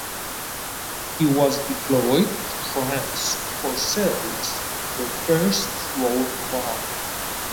He was deployed to France for service in the First World War.